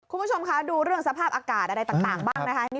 คุณผู้ชมคะดูเรื่องสภาพอากาศอะไรต่างบ้างนะคะ